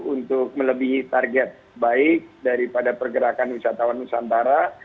untuk melebihi target baik daripada pergerakan wisatawan nusantara